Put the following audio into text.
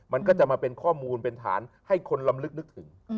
มันก็จะมาเป็นข้อมูลเป็นฐานให้คนลำลึกนึกถึง